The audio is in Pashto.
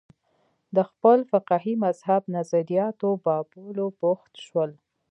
د خپل فقهي مذهب نظریاتو بابولو بوخت شول